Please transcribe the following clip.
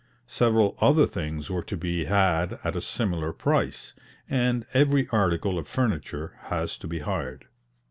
Several other things were to be had at a similar price, and every article of furniture has to be hired.